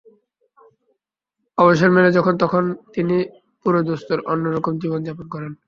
অবসর মেলে যখন তখন তিনি পুরোদস্তুর অন্য রকম জীবন যাপন করেন।